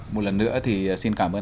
một lần nữa thì xin cảm ơn